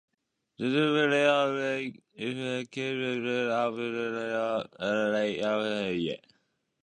ｄｄｖ れあうれい ｆ け ｆ るいええあ ｖｋｆ れあ ｖ け ｒｖ け ｒｖ れいへはうふぁういえ